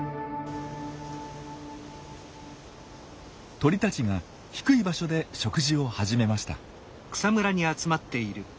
鳥たちが低い場所で食事を始めました。